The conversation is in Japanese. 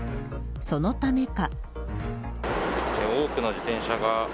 そのためか。